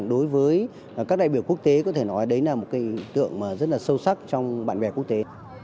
đối với các đại biểu quốc tế có thể nói đấy là một cái tượng rất là sâu sắc trong bạn bè quốc tế